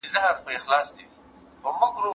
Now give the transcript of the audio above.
ځینې باکتریاوې د عمر سره ورکېږي.